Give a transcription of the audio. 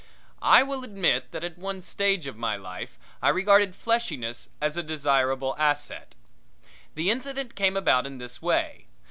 I will admit that at one stage of my life, I regarded fleshiness as a desirable asset. The incident came about in this way.